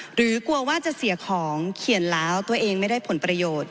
กลัวว่าจะเสียของเขียนแล้วตัวเองไม่ได้ผลประโยชน์